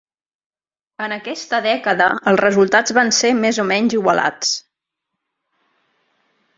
En aquesta dècada els resultats van ser més o menys igualats.